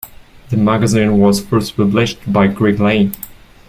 The magazine was first published by Greg Lane.